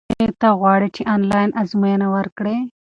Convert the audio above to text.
ایا ته غواړې چې آنلاین ازموینه ورکړې؟